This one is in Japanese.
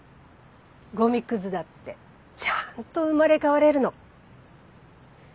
ゴミクズだってちゃんと生まれ変われるの。